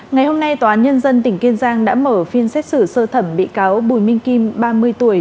ngày hôm nay tòa án nhân dân tỉnh kiên giang đã mở phiên xét xử sơ thẩm bị cáo bùi minh kim ba mươi tuổi